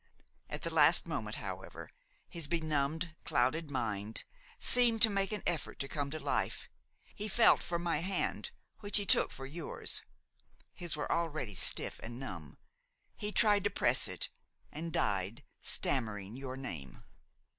At the last moment, however, his benumbed, clouded mind seemed to make an effort to come to life; he felt for my hand which he took for yours–his were already stiff and numb–he tried to press it, and died, stammering your name."